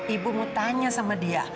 ibu mau tanya sama dia